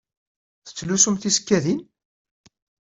Tettlusum tisekkadin?